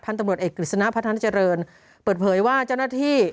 ท่านตำรวจเอกกลิษณภ์พระท่านเจริญเปิดเผยว่าเจ้าหน้าที่